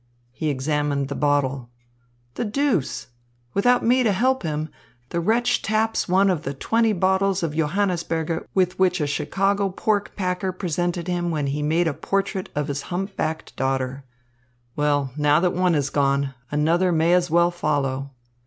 He examined the bottle. "The deuce! Without me to help him, the wretch taps one of the twenty bottles of Johannisberger with which a Chicago pork packer presented him when he made a portrait of his humpbacked daughter. Well, now that one is gone, another may as well follow.